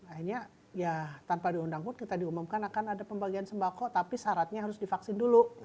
akhirnya ya tanpa diundang pun kita diumumkan akan ada pembagian sembako tapi syaratnya harus divaksin dulu